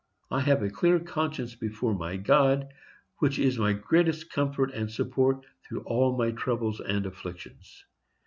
I have a clear conscience before my God, which is my greatest comfort and support through all my troubles and afflictions.